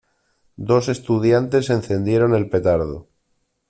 Dos estudiantes encendieron el petardo.